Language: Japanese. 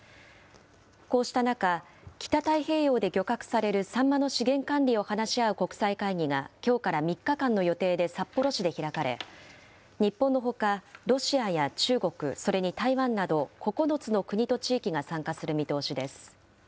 こうした中、北太平洋で漁獲されるサンマの資源管理を話し合う国際会議が、きょうから３日間の予定で札幌市で開かれ、日本のほかロシアや中国、それに台湾など、９つの国と地域が参加する見通しです。